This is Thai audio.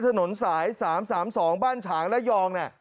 ถนนสายสามสามสองบ้านชางระยองเนี้ย